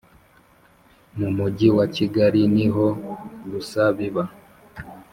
Mu Mujyi wa Kigali niho gusa biba